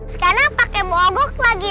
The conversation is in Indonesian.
sekarang pake mogok lagi